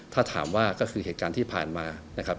ถ้าถามว่าก็คือเหตุการณ์ที่ผ่านมานะครับ